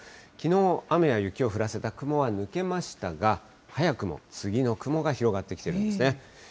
きのう、雨や雪を降らせた雲は抜けましたが、早くも次の雲が広がってきているんですね。